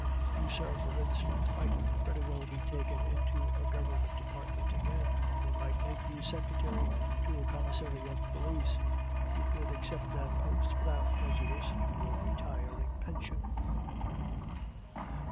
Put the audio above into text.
You, sir, for instance, might very well be taken into a Government department again; they might make you secretary to a Commissary of Police; you could accept that post without prejudice to your retiring pension."